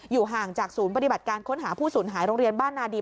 ห่างจากศูนย์ปฏิบัติการค้นหาผู้สูญหายโรงเรียนบ้านนาดี